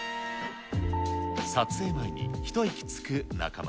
撮影前に一息つく中丸。